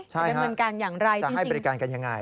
ใช่จะให้บริการกันอย่างไรจริง